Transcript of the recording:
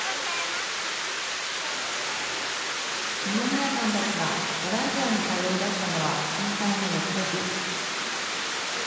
二宮さんたちがボランティアに通いだしたのは震災の翌年。